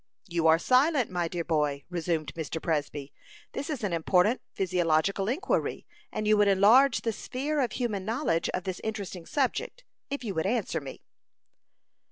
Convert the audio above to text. "You are silent, my dear boy," resumed Mr. Presby. "This is an important physiological inquiry, and you would enlarge the sphere of human knowledge of this interesting subject, if you would answer me."